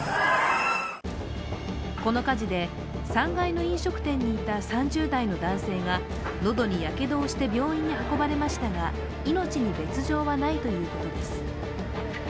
この火事で３階の飲食店にいた３０代の男性が喉にやけどをして病院に運ばれましたが命に別状はないということです。